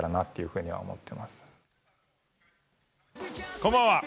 こんばんは。